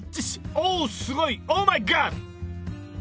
オーすごい！オーマイガッ！